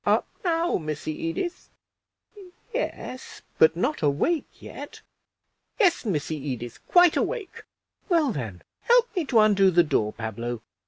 "Up now, Missy Edith." "Yes, but not awake yet." "Yes, Missy Edith, quite awake." "Well, then, help me to undo the door, Pablo."